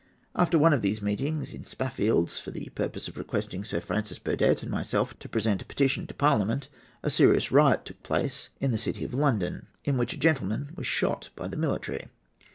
After one of these meetings in Spafields, for the purpose of requesting Sir Francis Burdett and myself to present a petition to Parliament, a serious riot took place in the city of London, in which a gentleman was shot by the military.